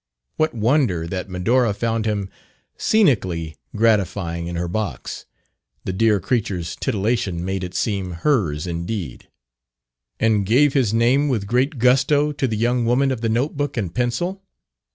What wonder that Medora found him scenically gratifying in her box (the dear creature's titillation made it seem "hers" indeed), and gave his name with great gusto to the young woman of the notebook and pencil?